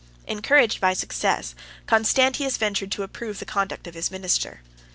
Encouraged by success, Constantius ventured to approve the conduct of his minister.